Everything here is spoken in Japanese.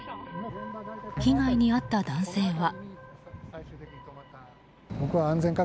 被害に遭った男性は。